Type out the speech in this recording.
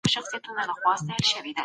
زموږ په نړۍ کې ډېر کیڼ لاسي کسان شته.